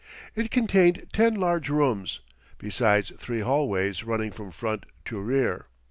It contained ten large rooms, besides three hallways running from front to rear.